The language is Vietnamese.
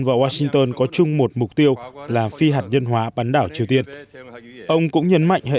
và washington có chung một mục tiêu là phi hạt nhân hóa bán đảo triều tiên ông cũng nhấn mạnh hệ